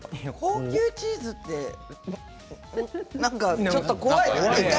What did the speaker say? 高級チーズってちょっと怖いな。